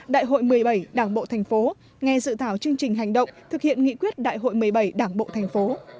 đại hội một mươi bảy đảng bộ tp nghe dự thảo chương trình hành động thực hiện nghị quyết đại hội một mươi bảy đảng bộ tp